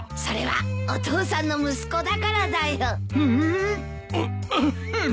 それはお父さんの息子だからだよ。